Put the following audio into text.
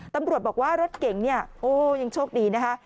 ตำรวจบอกว่ารถเก่งเนี่ยโอ้ยังโชคดีนะคะ